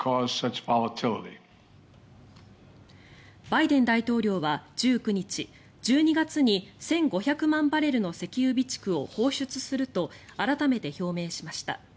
バイデン大統領は１９日１２月に１５００万バレルの石油備蓄を放出すると改めて表明しました。